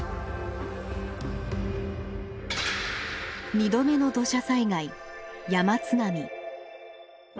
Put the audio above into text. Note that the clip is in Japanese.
二度目の土砂災害山津波。